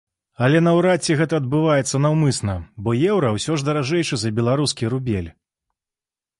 Але наўрад ці гэта адбываецца наўмысна, бо еўра ўсё ж даражэйшы за беларускі рубель.